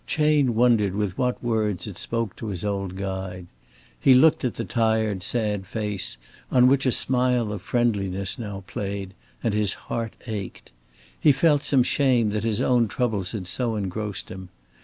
Chayne wondered with what words it spoke to his old guide. He looked at the tired sad face on which a smile of friendliness now played, and his heart ached. He felt some shame that his own troubles had so engrossed him.